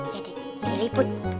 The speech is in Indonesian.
jadi lili put